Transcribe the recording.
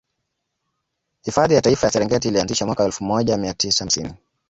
Hifadhi ya Taifa ya Serengeti ilianzishwa mwaka wa elfu moja mia tisa hamsini